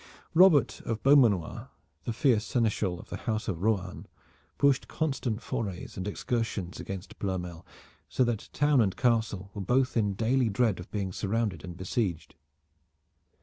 Robert of Beaumanoir, the fierce seneschal of the house of Rohan, pushed constant forays and excursions against Ploermel so that town and castle were both in daily dread of being surrounded and besieged.